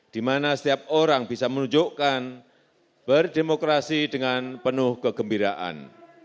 di mana setiap orang bisa menunjukkan berdemokrasi dengan penuh kegembiraan